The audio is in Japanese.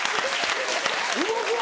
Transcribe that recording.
動くわ！